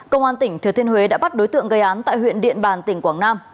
công an tỉnh thừa thiên huế đã bắt đối tượng gây án tại huyện điện bàn tỉnh quảng nam